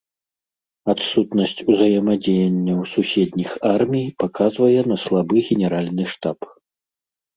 Адсутнасць узаемадзеянняў суседніх армій паказвае на слабы генеральны штаб.